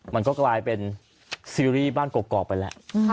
มันก็กลายเป็นซีรีส์บ้านกรอกไปแหละ